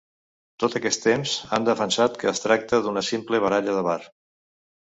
Tot aquest temps han defensat que es tractà d’una simple baralla de bar.